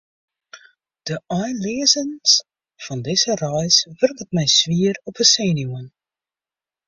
De einleazens fan dizze reis wurket my swier op 'e senuwen.